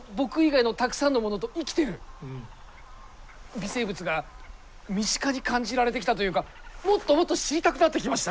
微生物が身近に感じられてきたというかもっともっと知りたくなってきました。